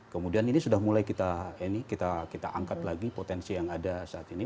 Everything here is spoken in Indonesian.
kemudian ini sudah mulai kita angkat lagi potensi yang ada saat ini